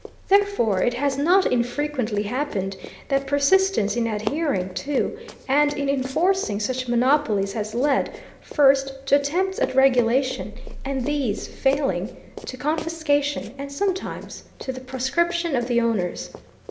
Therefore it has not infrequently happened that persistence in adhering to and in enforcing such monopolies has led, first, to attempts at regulation, and, these failing, to confiscation, and sometimes to the proscription of the owners.